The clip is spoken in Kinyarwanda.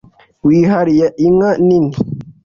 wihariye inka nini.